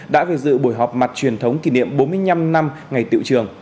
đã về dự buổi họp mặt truyền thống kỷ niệm bốn mươi năm năm ngày tiệu trường